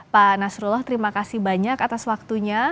pak nasrullah terima kasih banyak atas waktunya